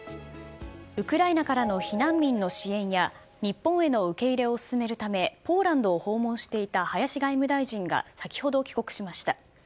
ウクライナからの避難民の支援や、日本への受け入れを進めるため、ポーランドを訪問していた林外務大臣が、先ほど帰国しました。